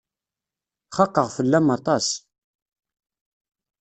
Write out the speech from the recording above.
Xaqeɣ fell-am aṭas.